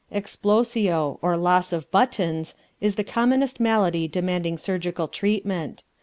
Explosio, or Loss of Buttons, is the commonest malady demanding surgical treatment.